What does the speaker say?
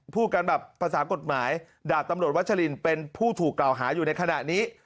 พูดกันแบบภาษากฎหมายดาบตำรวจวัชลินเป็นผู้ถูกกล่าวหาอยู่ในขณะนี้